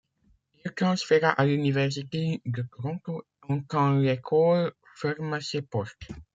Il transféra à l’université de Toronto en quand l'école ferma ses portes.